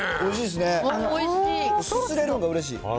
すすれるんがうれしい。